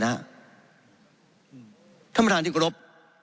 ถ้าเป็นหารที่ตกรพ